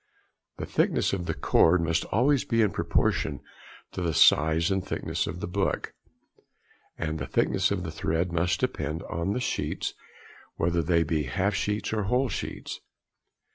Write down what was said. The thickness of the cord must always be in proportion to the size and thickness of the book, and the thickness of the thread must depend on the sheets, whether they be half sheets or whole sheets.